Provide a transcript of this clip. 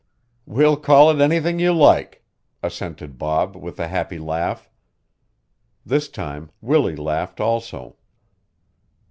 "We'll call it anything you like," assented Bob, with a happy laugh. This time Willie laughed also.